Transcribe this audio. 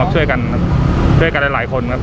ช่วยกันช่วยกันหลายคนครับ